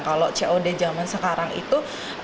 kalau cod zaman sekarang itu